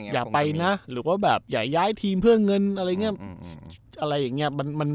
อย่าไปนะหรือว่าแบบอย่าย้ายทีมเพื่อเงินอะไรอย่างนี้